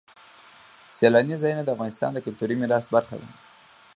سیلانی ځایونه د افغانستان د کلتوري میراث برخه ده.